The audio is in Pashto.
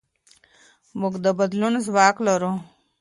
موږ د بدلون ځواک لرو.